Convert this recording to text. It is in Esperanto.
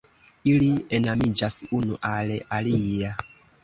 Ili enamiĝas unu al alia.